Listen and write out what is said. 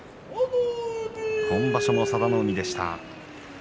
今場所も佐田の海でした。